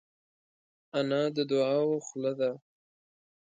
انا د دعاوو خوله ده